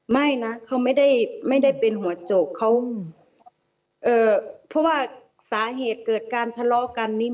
ไม่นะเขาไม่ได้เป็นหัวโจกเขาเพราะว่าสาเหตุเกิดการทะเลาะกันนี้